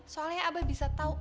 soalnya abah bisa tau